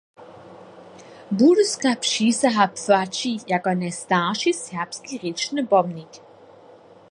Budyska přisaha płaći jako najstarši serbski rěčny pomnik.